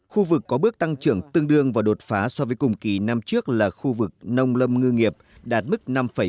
khu vực có bước tăng trưởng tương đương và đột phá so với cùng kỳ năm trước là khu vực nông lâm ngư nghiệp đạt mức năm bảy